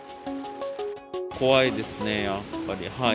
怖いですね、やっぱり。